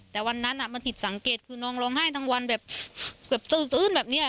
แต่วันนั้นมันผิดสังเกตคือน้องร้องไห้ทั้งวันแบบเกือบอื้นแบบนี้